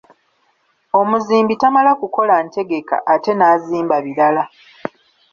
Omuzimbi tamala kukola ntegeka, ate n'azimba birala.